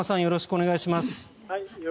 お願いします。